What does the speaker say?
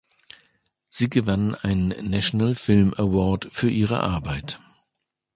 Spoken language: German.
Sie gewann einen National Film Award für ihre Arbeit.